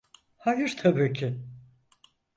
Hayır tabii ki.